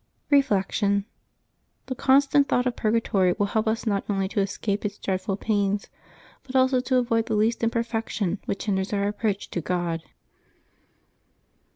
Reflection. — The constant thought of purgatory will help us not only to escape its dreadful pains, but also to avoid the least imperfection which hinders our approach to God.